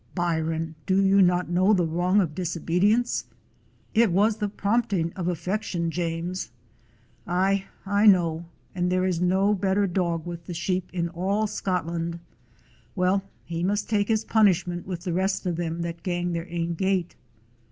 Byron, do you not know the wrong of disobedience?" "It was the prompting of affection, J ames." "Aye, I know, and there is no better dog with the sheep in all Scotland. Well, he must take his punishment with the rest of them that gang their ain gait."